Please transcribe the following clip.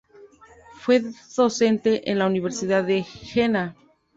Fue docente en la Universidad de Jena.